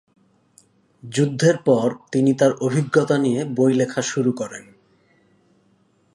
যুদ্ধের পর তিনি তার অভিজ্ঞতা নিয়ে বই লেখা শুরু করেন।